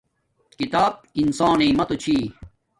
کتاب انسانݵ ماتو چھی